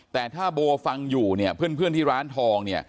แต่ถ้าโบฟังอยู่เพื่อนที่ร้านทอง